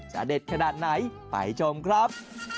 เด็ดขนาดไหนไปชมครับ